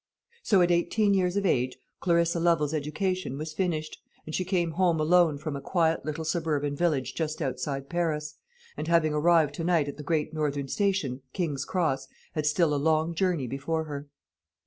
So at eighteen years of age Clarissa Lovel's education was finished, and she came home alone from a quiet little suburban village just outside Paris, and having arrived to night at the Great Northern Station, King's Cross, had still a long journey before her.